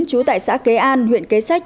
trú tại xã kế an huyện kế sách